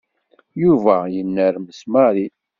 Yuba yennermes Mary.